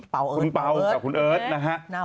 เปาเอิ๊ยดเปาเอิ๊ยดกับเอิ๊ยดนะฮะ